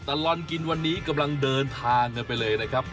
ตลอดกินวันนี้กำลังเดินทางกันไปเลยนะครับ